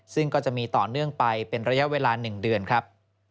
ซึ่งก็จะมีต่อเนื่องไปเป็นระยะเวลา๑เดือนครับ